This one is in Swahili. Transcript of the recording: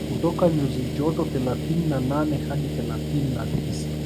kutoka nyuzi joto thelathini na nane hadi thelathini na tisa